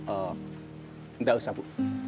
enggak usah bu